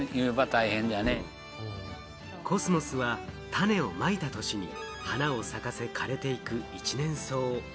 コスモスは種をまいた年に花を咲かせ、枯れていく一年草。